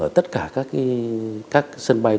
ở tất cả các sân bay